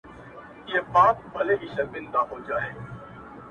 راسه قباله يې درله در کړمه،